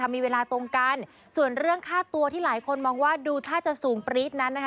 มีเวลาตรงกันส่วนเรื่องค่าตัวที่หลายคนมองว่าดูท่าจะสูงปรี๊ดนั้นนะคะ